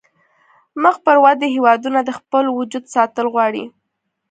مخ پر ودې هیوادونه د خپل وجود ساتل غواړي